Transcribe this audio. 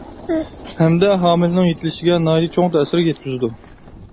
ھەمدە ھامىلىنىڭ يېتىلىشىگە ناھايىتى چوڭ تەسىر يەتكۈزىدۇ.